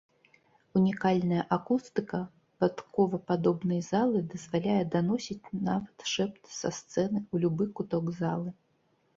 Унікальная акустыка падковападобнай залы дазваляе даносіць нават шэпт са сцэны ў любы куток залы.